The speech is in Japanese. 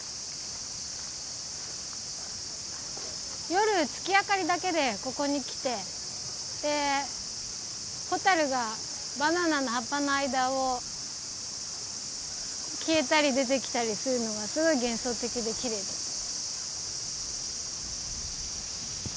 夜月明かりだけでここに来てでホタルがバナナの葉っぱの間を消えたり出てきたりするのがすごい幻想的できれいでした。